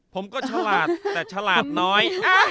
ผมก็ชลาดแต่ชลาดน้อย